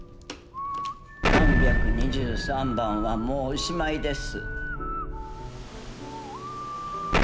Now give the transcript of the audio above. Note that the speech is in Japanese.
３２３番はもうおしまいです。